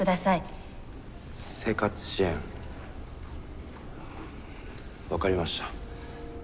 生活支援分かりました。